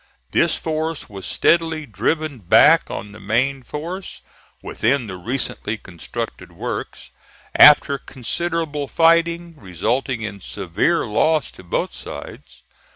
This force was steadily driven back on the main force, within the recently constructed works, after considerable fighting, resulting in severe loss to both sides.